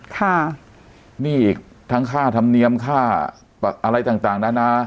ค่ะนี่อีกทั้งค่าธรรมเนียมค่าอะไรต่างต่างนานา